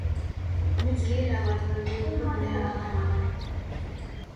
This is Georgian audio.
მე ძლიერ ავად ვარ, მე უკვე მე აღარა ვარ.